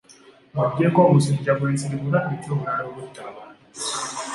Ng'oggyeko omusujja gw'ensiri, bulwadde ki obulala obutta abantu?